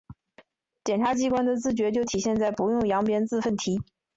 检察机关的自觉就体现在‘不用扬鞭自奋蹄’